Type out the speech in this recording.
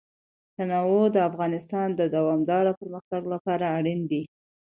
تنوع د افغانستان د دوامداره پرمختګ لپاره اړین دي.